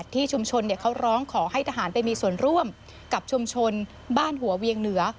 ที่ชุมชนเขาร้องขอให้ทหารไปมีส่วนร่วมกับชุมชนบ้านหัวเวียงเหนือ